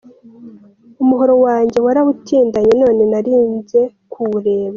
Umuhoro wanjye warawutindanye, none narinje kuwureba.